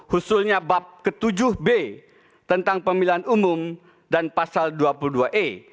husulnya bab ke tujuh b tentang pemilihan umum dan pasal dua puluh dua e